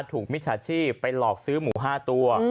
มิจฉาชีพไปหลอกซื้อหมู๕ตัว